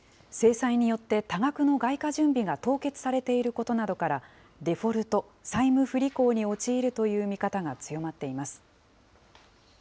制裁によって多額の外貨準備が凍結されていることなどから、デフォルト・債務不履行に陥るという見方が強まっています。